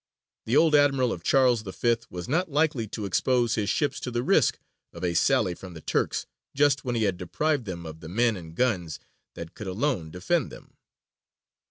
The old admiral of Charles V. was not likely to expose his ships to the risk of a sally from the Turks just when he had deprived them of the men and guns that could alone defend them.